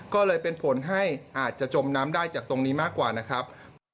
ก็เลยเป็นผลให้อาจจะจมน้ำได้จากตรงนี้มากกว่านะครับ